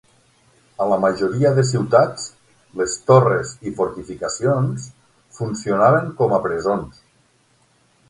A la majoria de ciutats, les torres i fortificacions funcionaven com a presons.